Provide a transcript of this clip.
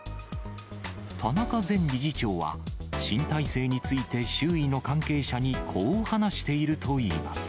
田中前理事長は、新体制について周囲の関係者にこう話しているといいます。